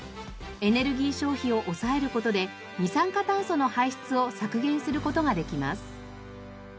エネルギー消費を抑える事で二酸化炭素の排出を削減する事ができます。